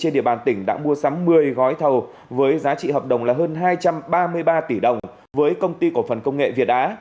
giá trị hợp đồng là hơn hai trăm ba mươi ba tỷ đồng với công ty cổ phần công nghệ việt á